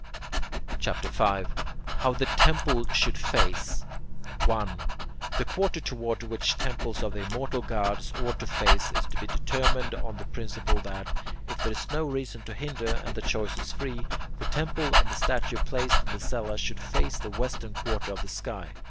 CHAPTER V HOW THE TEMPLE SHOULD FACE 1. The quarter toward which temples of the immortal gods ought to face is to be determined on the principle that, if there is no reason to hinder and the choice is free, the temple and the statue placed in the cella should face the western quarter of the sky.